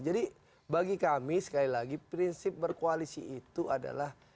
jadi bagi kami sekali lagi prinsip berkoalisi itu adalah